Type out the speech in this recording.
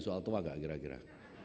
soal toa gak kira kira